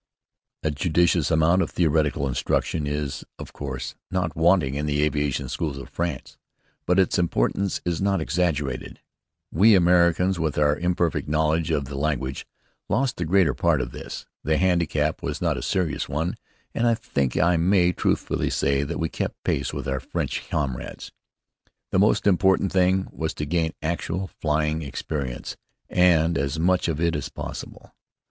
A judicious amount of theoretical instruction is, of course, not wanting in the aviation schools of France; but its importance is not exaggerated. We Americans, with our imperfect knowledge of the language, lost the greater part of this. The handicap was not a serious one, and I think I may truthfully say that we kept pace with our French comrades. The most important thing was to gain actual flying experience, and as much of it as possible.